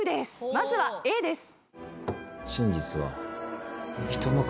まずはＡです。